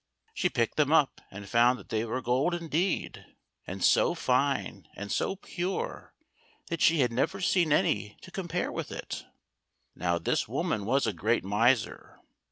She picked them up and found that they were gold indeed, and so fine and so pure that she had never seen any to compare with it. Now this woman was a great miser.